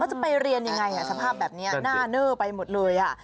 ว่าจะไปเรียนอย่างไรนะสภาพแบบนี้หน้าเนื้อไปหมดเลย